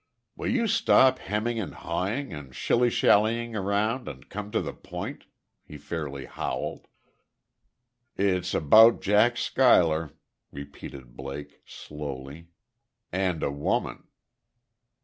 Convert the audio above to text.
"Will you stop hemming and hawing and shilly shallying around and come to the point!" he fairly howled. "It's about Jack Schuyler," repeated Blake, slowly, "and a woman."